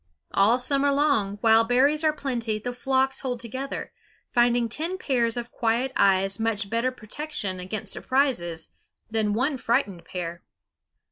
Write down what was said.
All summer long, while berries are plenty, the flocks hold together, finding ten pairs of quiet eyes much better protection against surprises than one frightened pair.